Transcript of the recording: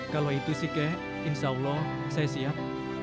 kalau itu sih kek insya allah saya siap